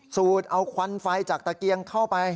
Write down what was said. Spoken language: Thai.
สูดเอาควันไฟจากตะเกียงเข้าไป